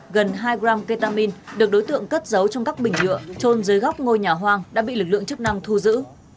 gần hai gram ketamine được đối tượng cất giấu trong các bình nhựa trôn dưới góc ngôi nhà hoang đã bị lực lượng chức năng thu giữ